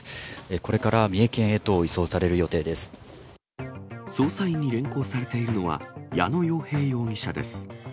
これから三重県へと移送される予捜査員に連行されているのは、矢野洋平容疑者です。